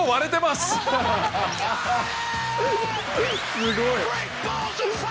すごい。